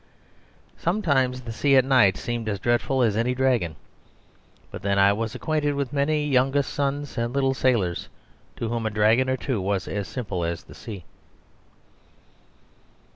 Sometimes the sea at night seemed as dreadful as any dragon. But then I was acquainted with many youngest sons and little sailors to whom a dragon or two was as simple as the sea.